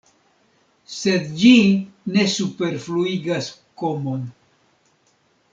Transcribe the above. Sed ĝi ne superfluigas komon.